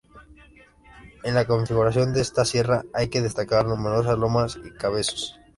En la configuración de esta sierra, hay que destacar numerosas lomas y "cabezos".